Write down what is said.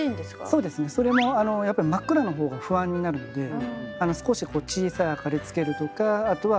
そうですねそれもやっぱり真っ暗の方が不安になるので少し小さい明かりをつけるとかあとは音を出すとか。